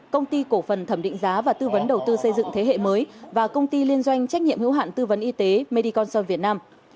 công ty cổ phần thẩm định giá và tư vấn đầu tư xây dựng thế hệ mới và công ty liên doanh trách nhiệm hữu hạn tư vấn y tế medi concern việt nam